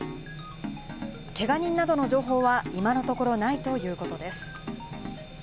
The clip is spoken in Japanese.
けが人などの情報は今のところないということです。